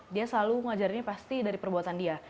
dia selalu mengajarnya pasti dari perbuatan dia